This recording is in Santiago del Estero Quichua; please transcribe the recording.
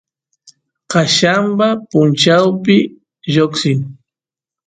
qallamba punchawpi lloqsin